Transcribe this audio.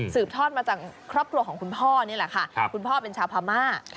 ทอดมาจากครอบครัวของคุณพ่อนี่แหละค่ะคุณพ่อเป็นชาวพม่า